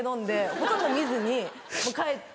ほとんど見ずに帰って。